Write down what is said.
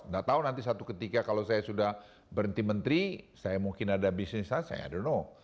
nggak tahu nanti satu ketika kalau saya sudah berhenti menteri saya mungkin ada bisnis saya adeno